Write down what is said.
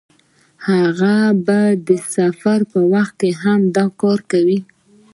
هغه به د سفر په وخت هم دا کار کاوه.